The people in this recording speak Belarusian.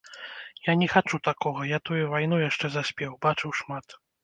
Я не хачу такога, я тую вайну яшчэ заспеў, бачыў шмат.